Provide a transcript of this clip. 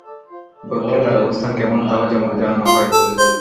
গোত্রে তার অবস্থান কেমন তাও জানানো হয়।